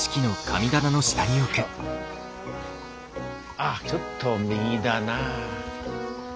ああちょっと右だな。